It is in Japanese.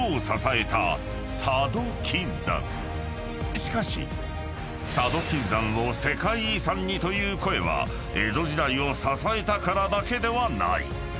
［しかし佐渡金山を世界遺産にという声は江戸時代を支えたからだけではない］